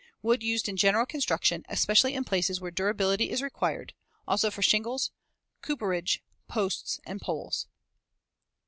Wood used in general construction, especially in places where durability is required; also for shingles, cooperage, posts, and poles.